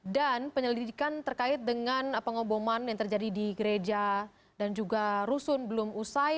dan penyelidikan terkait dengan pengeboman yang terjadi di gereja dan juga rusun belum usai